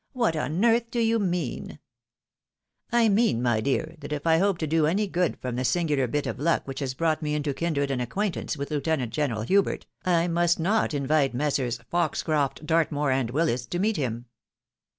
"What on earth do you mean?" SELECT COMPANT. 165 " I mean, my dear, that if I hope to do any good from the singular bit of luck which has brought me into kindred and acquaintance with Lieutenant General Hubert, I must not invite Messrs. Foxcroft, Dartmore, and Willis, to meet him."